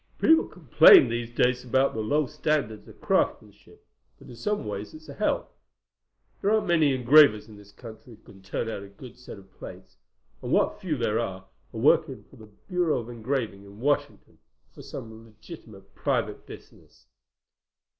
"People complain these days about the low standards of craftsmanship, but in some ways it's a help. There aren't many engravers in this country who can turn out a good set of plates, and what few there are, are working for the Bureau of Engraving in Washington or for some legitimate private business."